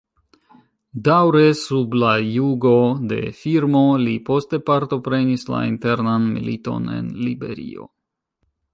Daŭre sub la jugo de Firmo, li poste partoprenis la internan militon en Liberio.